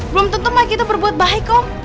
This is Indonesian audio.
belum tentu mike itu berbuat baik om